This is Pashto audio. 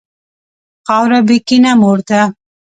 خاوره بېکینه مور ده.